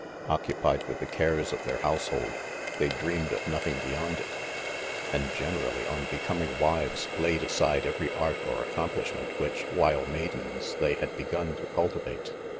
— Occupied with the' cares of their household, they dreamed of nothing beyond it ; and gen erally ob. becoming wires, laid aside every art or accomplishment which, while maidens, they had begun to cultivate.